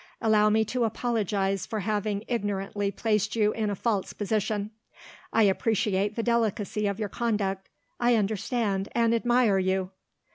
Allow me to apologise for having ignorantly placed you in a false position. I appreciate the delicacy of your conduct I understand, and admire you." Mr.